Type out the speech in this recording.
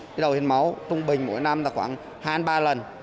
cái đầu hiến máu trung bình mỗi năm là khoảng hai ba lần